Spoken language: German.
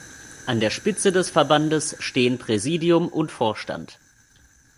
An der Spitze des Verbandes stehen Präsidium und Vorstand.